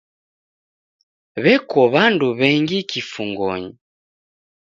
W'eko w'andu w'engi kifungonyi.